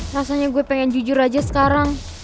rasanya gue pengen jujur aja sekarang